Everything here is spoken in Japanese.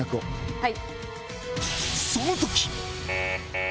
はい！